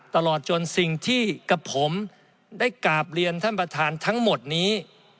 ตลอดจนสิ่งที่กับผมได้กราบเรียนท่านประธานทั้งหมดนี้